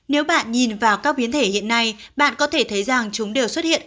nếu bạn nhìn vào các biến thể hiện nay bạn có thể thấy rằng chúng đều xuất hiện